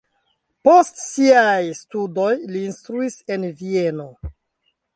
Post siaj studoj li instruis en Vieno.